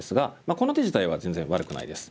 この手自体は全然悪くないです。